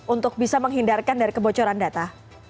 untuk bisa menghindarkan dari kebocoran data